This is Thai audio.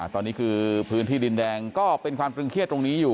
ตอนนี้คือพื้นที่ดินแดงก็เป็นความตรึงเครียดตรงนี้อยู่